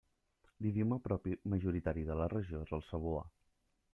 L'idioma propi majoritari de la regió és el cebuà.